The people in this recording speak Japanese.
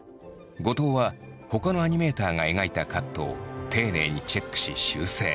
後藤はほかのアニメーターが描いたカットを丁寧にチェックし修正。